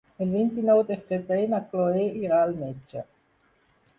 El vint-i-nou de febrer na Chloé irà al metge.